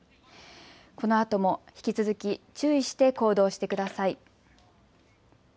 このあとも引き続き注意して行動してください。